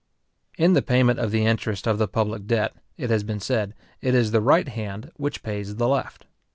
In the payment of the interest of the public debt, it has been said, it is the right hand which pays the left.